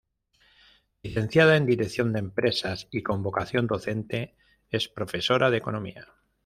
Licenciada en Dirección de Empresas, y con vocación docente, es profesora de Economía.